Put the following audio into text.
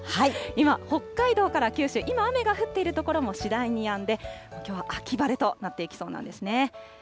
今、北海道から九州、今、雨が降っている所も次第にやんで、秋晴れとなっていきそうなんですね。